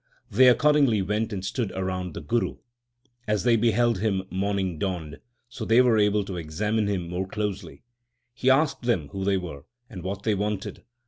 They accordingly went and stood around the Guru. As they beheld him morning dawned, so they were able to examine him more closely. He asked them who they were, and what they wanted.